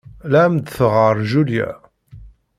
La am-d-teɣɣar Julia.